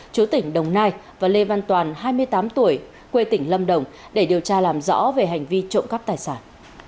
chú tỉnh đồng nai và lê văn toàn hai mươi tám tuổi quê tỉnh lâm đồng để điều tra làm rõ về hành vi trộm cắp tài sản